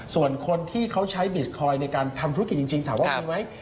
ส่วนคนที่เขาใช้บิสคอยน์ในการทำธุรกิจจริงถามว่ามีไหม